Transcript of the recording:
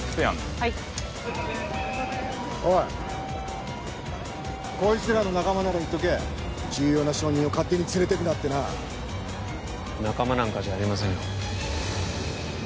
はいおいこいつらの仲間なら言っとけ重要な証人を勝手に連れてくなってな仲間なんかじゃありませんよ